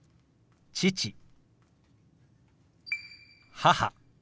「母」。